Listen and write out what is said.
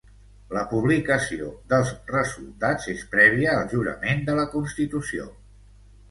La publicació dels resultats és prèvia al jurament de la constitució.